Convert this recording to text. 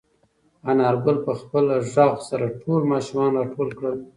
انارګل په خپل غږ سره ټول ماشومان راټول کړل.